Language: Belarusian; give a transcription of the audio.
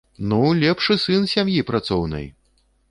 Ну, лепшы сын сям'і працоўнай!